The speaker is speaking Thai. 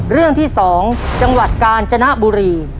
เรื่องที่๒จังหวัดกาญจนบุรี